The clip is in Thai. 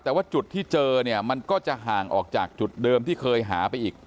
แต่ว่าจุดที่เจอเนี่ยมันก็จะห่างออกจากจุดเดิมที่เคยหาไปอีก